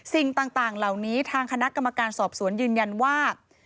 สิ่งต่างเหล่านี้ทางคณะกรรมการสอบสวนยืนยันว่า